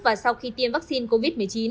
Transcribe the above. và sau khi tiêm vaccine covid một mươi chín